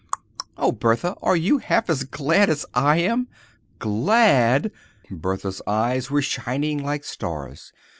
Oh, Bertha, are you half as glad as I am?" "Glad!" Bertha's eyes were shining like stars.